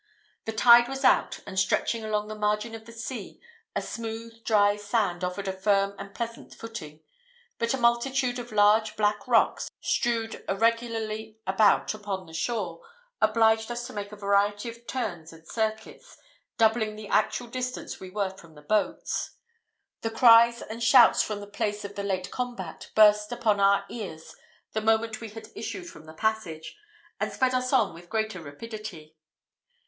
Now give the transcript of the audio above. The tide was out; and stretching along the margin of the sea, a smooth dry sand offered a firm and pleasant footing; but a multitude of large black rocks, strewed irregularly about upon the shore, obliged us to make a variety of turns and circuits, doubling the actual distance we were from the boats. The cries and shouts from the place of the late combat burst upon our ears the moment we had issued from the passage, and sped us on with greater rapidity.